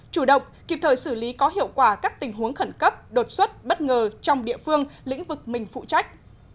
chủ động kịp thời xử lý có hiệu quả các tình huống khẩn cấp đột xuất bất ngờ trong địa phương lĩnh vực mình phụ trách